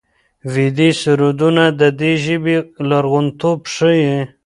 ویدي سرودونه د دې ژبې لرغونتوب ښيي.